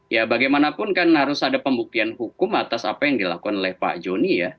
ya bagaimanapun kan harus ada pembuktian hukum atas apa yang dilakukan oleh pak joni ya